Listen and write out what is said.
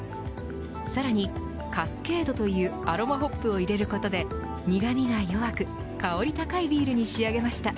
さらにカスケードというアロマホップを入れることで苦味が弱く香り高いビールに仕上げました。